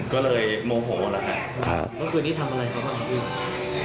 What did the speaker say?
ก็เลยโมโถหรือคะค่ะ